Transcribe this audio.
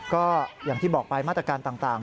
ก็อย่างที่บอกไปมาตรการต่าง